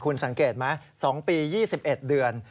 คุณสังเกตไหม๒ปี๒๑เดือน